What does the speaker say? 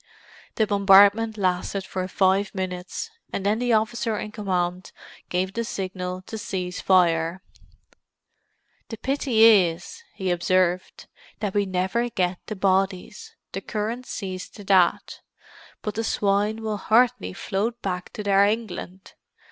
The bombardment lasted for five minutes, and then the officer in command gave the signal to cease fire. "The pity is," he observed, "that we never get the bodies; the current sees to that. But the swine will hardly float back to their England!"